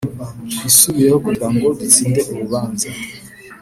Twisubireho kugira ngo dutsinde urubanza